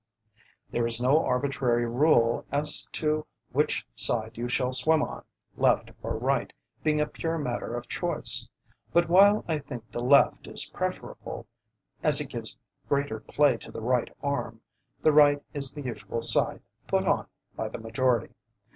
There is no arbitrary rule as to which side you shall swim on, left or right being a pure matter of choice; but while I think the left is preferable, as it gives greater play to the right arm, the right is the usual side "put on" by the majority.